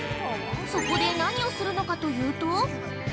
そこで何をするのかというと？